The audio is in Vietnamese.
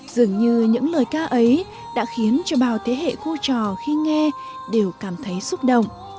dường như những lời ca ấy đã khiến cho bao thế hệ cô trò khi nghe đều cảm thấy xúc động